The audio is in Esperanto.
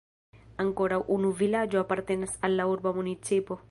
Ankoraŭ unu vilaĝo apartenas al la urba municipo.